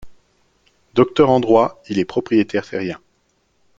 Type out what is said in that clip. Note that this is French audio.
Docteur en droit, il est propriétaire terrien.